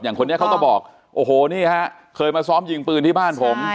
คนนี้เขาก็บอกโอ้โหนี่ฮะเคยมาซ้อมยิงปืนที่บ้านผม